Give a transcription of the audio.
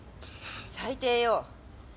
最低よ。